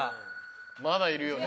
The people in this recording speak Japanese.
まだいるよね。